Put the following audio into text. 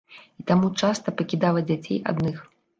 І таму часта пакідала дзяцей адных.